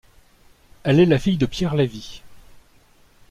Elle est la fille de Pierre Lévy.